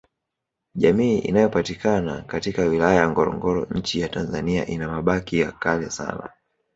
Jamii inayopatikana katika wilaya ya Ngorongoro Nchi ya tanzania ina mabaki ya kale sana